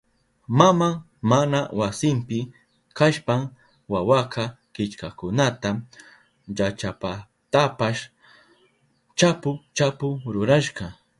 Maman mana wasinpi kashpan wawaka killkakunata llachapatapas chapu chapu rurashka.